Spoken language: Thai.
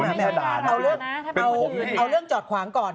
ไม่ใช่ดารานะเอาเรื่องจอดขวางก่อน